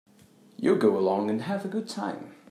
You go along and have a good time.